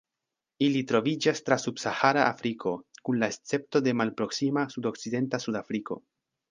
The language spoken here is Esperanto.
Ili troviĝas tra subsahara Afriko, kun la escepto de malproksima sudokcidenta Sudafriko.